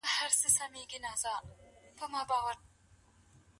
دغه خدايان د انسان د ژوند په هر اړخ واک لري.